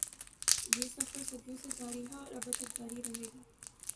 یہ سفر صدیوں سے جاری ہے اور ابد تک جاری رہے گا۔